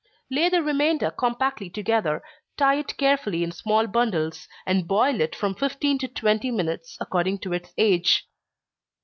Lay the remainder compactly together, tie it carefully in small bundles, and boil it from fifteen to twenty minutes, according to its age.